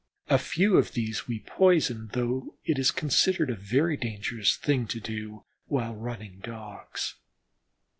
A few of these we poisoned, though it is considered a very dangerous thing to do while running Dogs.